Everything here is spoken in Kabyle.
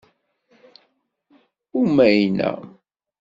Umayna.